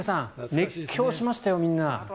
熱狂しましたよ、みんな。